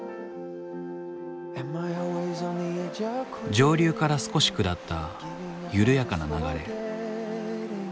上流から少し下った緩やかな流れ。